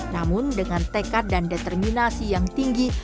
namun dengan tekad dan determinasi yang tinggi